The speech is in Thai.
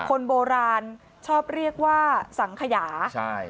คนโบราณชอบเรียกว่าสังขยาใช่